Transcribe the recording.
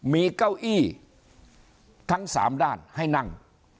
มีเก้าอี้ทั้ง๓ด้านให้นั่ง